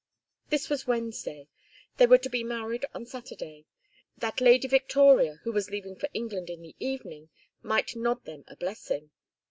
This was Wednesday. They were to be married on Saturday, that Lady Victoria, who was leaving for England in the evening, might nod them a blessing.